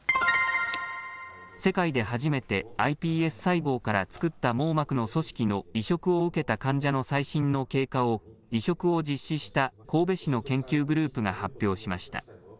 世界で初めてｉＰＳ細胞から作った網膜の組織の移植を受けた患者の最新の経過を移植を実施した神戸市の研究グループが発表しました。